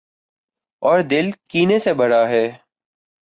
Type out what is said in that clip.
اوردل کینے سے بھراہے۔